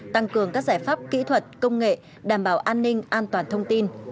tăng cường các giải pháp kỹ thuật công nghệ đảm bảo an ninh an toàn thông tin